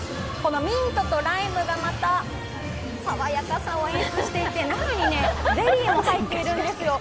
ミントとライムがまた爽やかさを演出していて、中にゼリーも入っているんですよ。